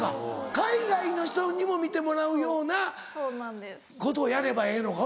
海外の人にも見てもらうようなことをやればええのか。